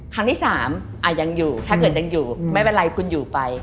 ครั้งที่๓ยังอยู่ถ้าเกิดยังอยู่ไม่เป็นไรคุณอยู่ไป